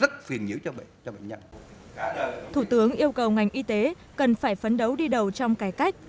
thủ tướng yêu cầu ngành y tế cần phải phấn đấu đi đầu trong cải cách